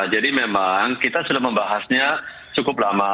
jadi memang kita sudah membahasnya cukup lama